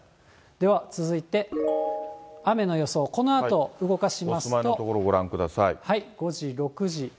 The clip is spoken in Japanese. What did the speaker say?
では続いて雨の予想、このあと動かしますと。